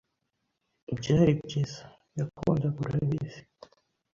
Byari byiza yakundaga, urabizi.